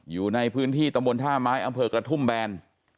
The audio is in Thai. อยู่ในพื้นที่ตำบลท่าไม้อำเภอกระทุ่มแบน